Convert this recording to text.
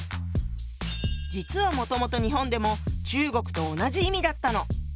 実はもともと日本でも中国と同じ意味だったの。